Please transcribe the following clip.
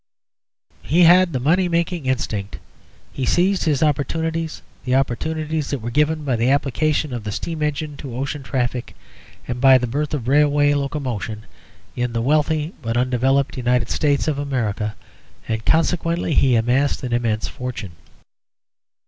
"He had the money making instinct. He seized his opportunities, the opportunities that were given by the application of the steam engine to ocean traffic, and by the birth of railway locomotion in the wealthy but undeveloped United States of America, and consequently he amassed an immense fortune.